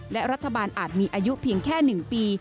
และรัฐบาลอาจมีอายุเพียงแค่๑ปี